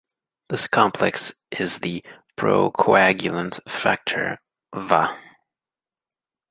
This complex is the pro-coagulant factor Va.